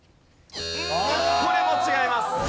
これも違います。